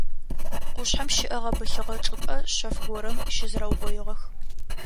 Къушъхьэм щыӏэ гъэбылъыгъэ чӏыпӏэ шъэф горэм щызэрэугъоигъэх.